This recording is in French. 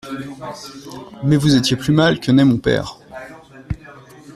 Mais vous étiez plus mal que n'est mon père.